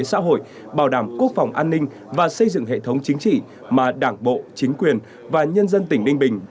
xã hội bảo đảm quốc phòng an ninh và xây dựng hệ thống chính trị mà đảng bộ chính quyền và nhân dân tỉnh ninh bình